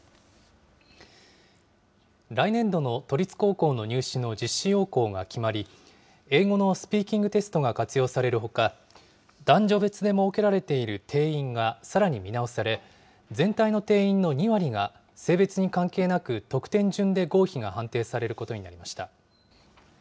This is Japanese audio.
来年度の都立高校の入試の実施要綱が決まり、英語のスピーキングテストが活用されるほか、男女別で設けられている定員はさらに見直され、全体の定員の２割が性別に関係なく、得点順で合否が判定されることになりました。